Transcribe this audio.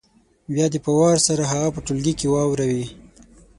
بیا دې په وار سره هغه په ټولګي کې واوروي